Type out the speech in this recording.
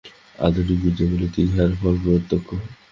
আধুনিক গির্জাগুলিতে ইহার ফল প্রত্যক্ষ।